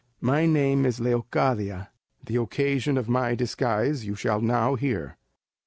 My name is Leocadia; the occasion of my disguise you shall now hear.